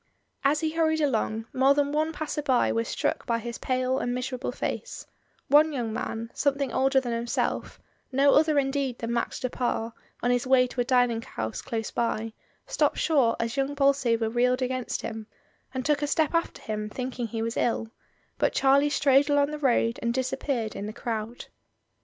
As he hurried along more than one passer by was struck by his pale and miserable face; one young man, something older than himself, no other indeed than Max du Pare, on his way to a dining house dose by, stopped short as young Bolsover reeled against him, and took a step after him thinking he was ill, but Charlie strode along the road and disappeared in the crowd.